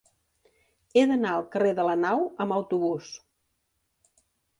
He d'anar al carrer de la Nau amb autobús.